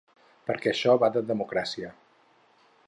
Perquè això va de democràcia.